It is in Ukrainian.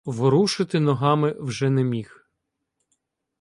Ворушити ногами вже не міг.